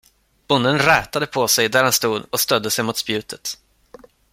Bonden rätade på sig, där han stod och stödde sig mot spjutet.